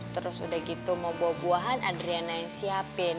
terus udah gitu mau bawa buahan andriana yang siapin